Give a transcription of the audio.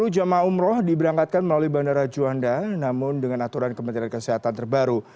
sepuluh jemaah umroh diberangkatkan melalui bandara juanda namun dengan aturan kementerian kesehatan terbaru